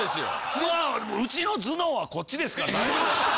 まあうちの頭脳はこっちですから。